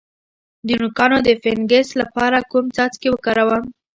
د نوکانو د فنګس لپاره کوم څاڅکي وکاروم؟